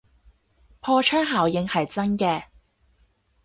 破窗效應係真嘅